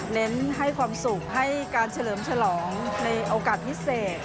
เน้นให้ความสุขให้การเฉลิมฉลองในโอกาสพิเศษ